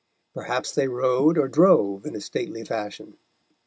Perhaps they rode or drove, in a stately fashion.